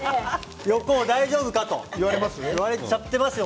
横尾、大丈夫なのかと言われてしまっていますよ！